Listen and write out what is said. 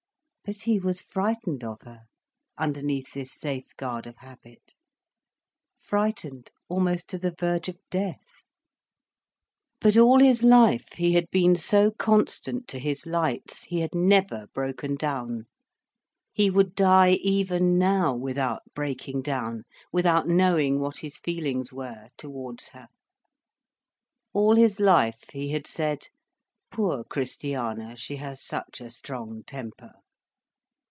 But he was frightened of her, underneath this safeguard of habit, frightened almost to the verge of death. But all his life, he had been so constant to his lights, he had never broken down. He would die even now without breaking down, without knowing what his feelings were, towards her. All his life, he had said: "Poor Christiana, she has such a strong temper."